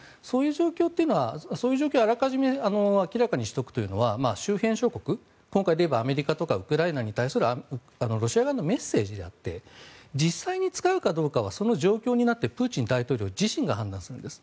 そういう状況をあらかじめ明らかにしておくというのは周辺諸国、今回で言えばアメリカとかウクライナに対するロシア側のメッセージであって実際に使うかどうかはその状況になってプーチン大統領自身が判断するんです。